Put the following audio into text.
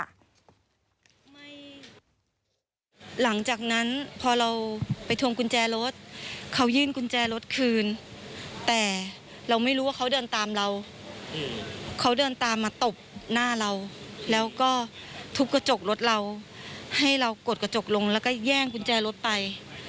ถึงมาใช้ความดุลแรงแล้วตบเราตีเราอะไรอย่างนี้